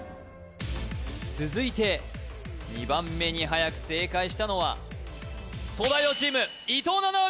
続いて２番目に早く正解したのは東大王チーム伊藤七海！